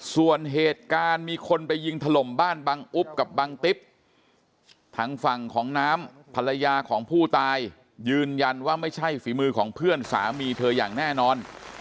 ส่วนเหตุการณ์มีคนไปยิงถล่มบ้านบังอุ๊บกับบังติ๊บทางฝั่งของน้ำภรรยาของผู้ตายยืนยันว่าไม่ใช่ฝีมือของเพื่อนสามีเธออย่างแน่นอน